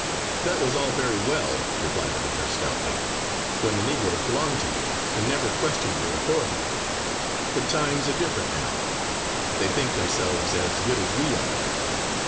"That was all very well," replied the mayor, stoutly, "when the Negroes belonged to you, and never questioned your authority. But times are different now. They think themselves as good as we are.